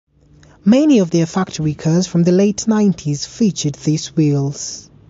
Many of their factory cars from the late nineties featured these wheels.